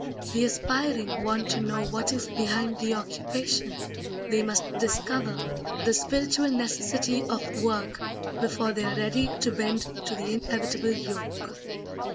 The aspiring want to know what is behind the occupation; they must discover the spiritual necessity of work before they are ready to bend to the inevitable yoke.